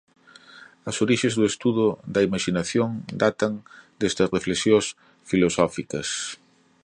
As orixes do estudo da imaxinación datan desde as reflexións filosóficas.